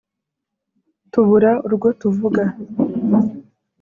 tubura urwo tuvuga